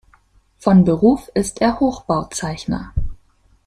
Von Beruf ist er Hochbauzeichner.